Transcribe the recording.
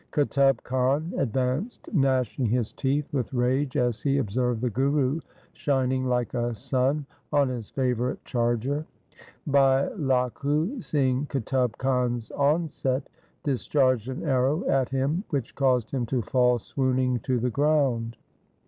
Qutub Khan advanced gnashing his teeth with rage as he observed the Guru shining like a sun on his favourite charger. Bhai Lakhu, seeing Qutub Khan's onset, discharged an arrow at him which caused him to fall swooning to the ground.